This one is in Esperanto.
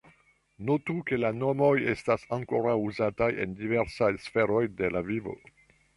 Notu ke la nomoj estas ankoraŭ uzataj en diversaj sferoj de la vivo.